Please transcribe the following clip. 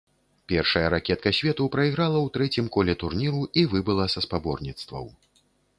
Першая ракетка свету прайграла ў трэцім коле турніру і выбыла са спаборніцтваў.